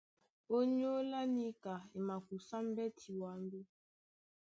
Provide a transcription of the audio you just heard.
Ónyólá níka e makusá mbɛ́ti ɓwambì.